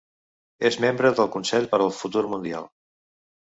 És membre del Consell per al Futur Mundial.